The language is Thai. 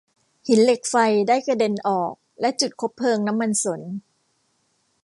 หินเหล็กไฟได้กระเด็นออกและจุดคบเพลิงน้ำมันสน